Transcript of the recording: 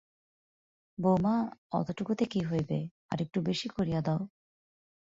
বউমা, ওটুকুতে কী হইবে, আর-একটু বেশি করিয়া দাও।